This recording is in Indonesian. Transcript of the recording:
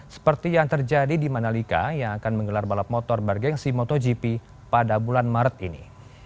seperti yang terjadi di manalika yang akan menggelar balap motor bergensi motogp pada bulan maret ini